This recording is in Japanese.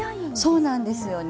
そうなんですよね。